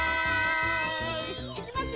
いきますよ。